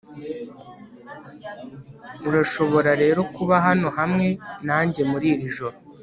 urashobora rero kuba hano hamwe nanjye muri iri joro